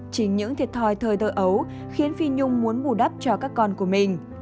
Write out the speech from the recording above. chính những thiệt thòi thời thơ ấu khiến phi nhung muốn bù đắp cho các con của mình